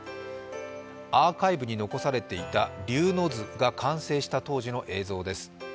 アーカイブに残されていた「龍之図」が完成した当時の映像です。